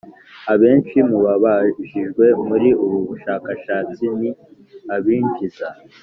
Abenshi mu babajijwe muri ubu bushakashatsi ni abinjiza